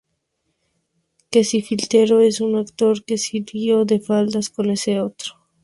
Que si flirteo con este actor, que si lío de faldas con este otro.